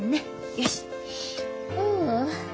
よし！